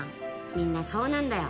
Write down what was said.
みんなそうなんだよ。